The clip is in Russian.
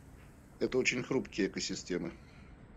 Это очень хрупкие экосистемы.